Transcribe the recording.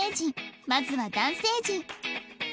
まずは男性陣